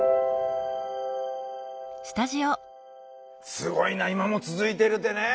すごいな今も続いてるってね。